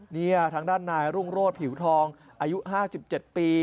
นี่ทางด้านนายรุ่งโรศผิวทองอายุ๕๗ปี